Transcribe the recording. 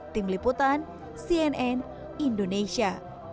tim liputan cnn indonesia